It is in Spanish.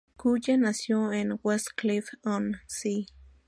Cullen nació en Westcliff-on-Sea.